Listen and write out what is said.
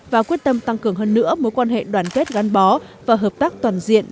và quyết tâm tăng cường hơn nữa mối quan hệ đoàn kết gắn bó và hợp tác toàn diện